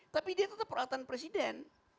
tapi dia tetap peralatan presiden